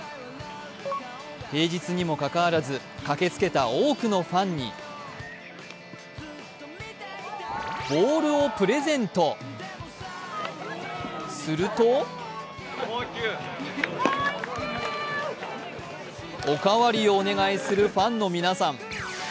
平日にも関わらず、駆けつけた多くのファンにボールをプレゼントするとお代わりをお願いするファンの皆さん。